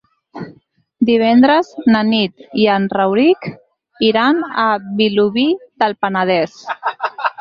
Divendres na Nit i en Rauric iran a Vilobí del Penedès.